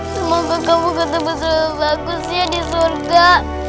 semoga kamu ketemu seorang bagusnya di surga